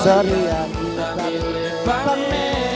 sori yang kita milih pamit